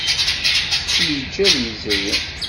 Ad t-yeǧǧ ad yezri.